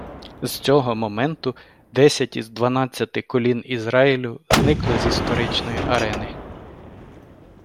З цього моменту десять із дванадцяти колін Ізраїлю зникли з історичної арени.